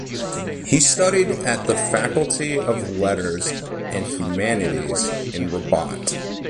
He studied at the Faculty of Letters and Humanities in Rabat.